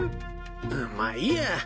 まあいいや。